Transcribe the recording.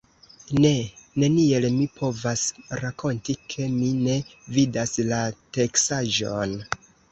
Ne, neniel mi povas rakonti, ke mi ne vidas la teksaĵon!